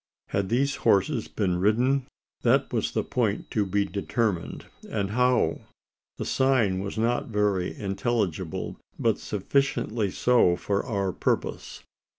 Had these horses been ridden? That was the point to be determined, and how? The sign was not very intelligible, but sufficiently so for our purpose.